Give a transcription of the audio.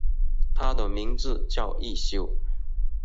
他的名字叫一休。